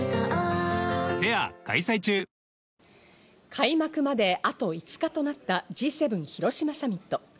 開幕まであと５日となったＧ７広島サミット。